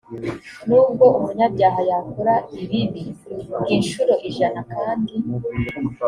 nubwo umunyabyaha yakora ibibi g incuro ijana kandi